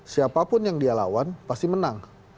siapapun yang dia lawan pasti menang